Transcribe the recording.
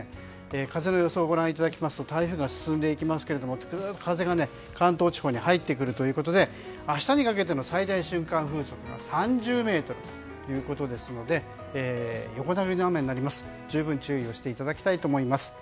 風の予想をご覧いただきますと台風が進んでいますけども、風が関東地方に入ってくるということで明日にかけての最大瞬間風速は３０メートルということなので横殴りの雨になりますので十分注意をしていただきたいと思います。